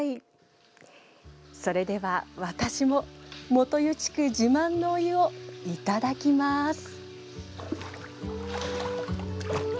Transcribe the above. それでは私も元湯地区自慢のお湯をいただきます。